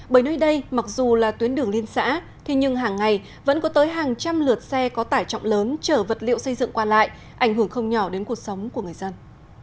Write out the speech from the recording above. bởi nơi đây mặc dù là tuyến đường liên xã thế nhưng hàng ngày vẫn có tới hàng trăm lượt xe có tải trọng lớn chở vật liệu xây dựng qua lại ảnh hưởng không nhỏ đến cuộc sống của người dân